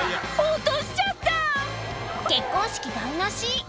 落としちゃった結婚式台無し